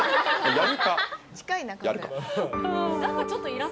やるか。